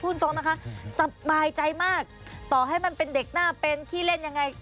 ตรงนะคะสบายใจมากต่อให้มันเป็นเด็กหน้าเป็นขี้เล่นยังไง